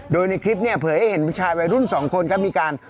โดยในคลิปเพื่อเห็นชายวายรุ่นสองคนก็มีการ